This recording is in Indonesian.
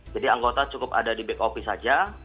jadi anggota cukup ada di back office saja